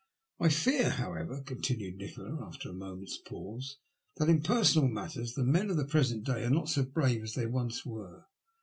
'* I fear, however, " continued Nikola, after a moment's pause, '* that in personal matters the men of the present day are not so brave as they once were.